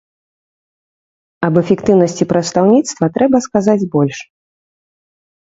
Аб эфектыўнасці прадстаўніцтва трэба сказаць больш.